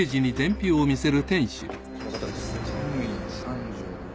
この方です。